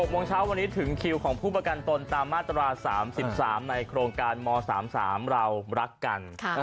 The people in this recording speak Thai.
โมงเช้าวันนี้ถึงคิวของผู้ประกันตนตามมาตรา๓๓ในโครงการม๓๓เรารักกัน